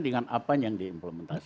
dengan apa yang diimplementasi